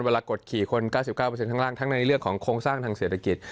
กดขี่คน๙๙ข้างล่างทั้งในเรื่องของโครงสร้างทางเศรษฐกิจ